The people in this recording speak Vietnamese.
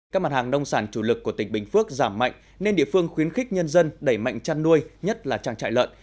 các mặt hàng nông sản chủ lực của tỉnh bình phước giảm mạnh nên địa phương khuyến khích nhân dân đẩy mạnh chăn nuôi nhất là trang trại lợn